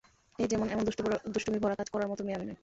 এই যেমন, এমন দুস্টুমি ভরা কাজ করার মত মেয়ে আমি নই?